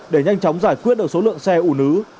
để nhanh chóng giải quyết được số lượng xe ủ nứ